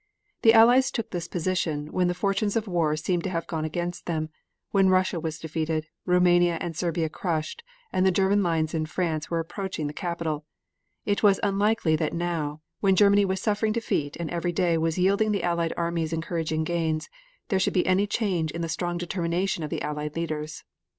The Allies took this position when the fortunes of war seemed to have gone against them, when Russia was defeated, Roumania and Serbia crushed, and the German lines in France were approaching the capital. It was unlikely that now, when Germany was suffering defeat and every day was yielding the Allied armies encouraging gains, there should be any change in the strong determination of the Allied leaders.